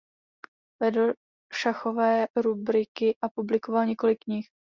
Vedl šachové rubriky a publikoval několik knih.